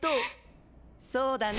そうだね！